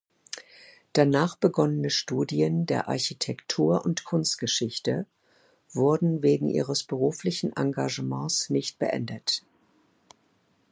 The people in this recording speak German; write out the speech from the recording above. Danach begonnene Studien der Architektur und Kunstgeschichte wurden wegen ihres beruflichen Engagements nicht beendet.